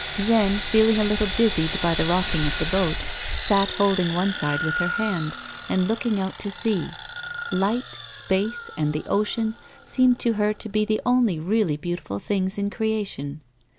Jeanne, feeling a little dizzied by the rocking of the boat, sat holding one side with her hand, and looking out to sea ; light, space and the ocean seemed to her to be the only really beautiful things in creation.